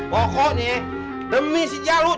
pokoknya demi si jaluk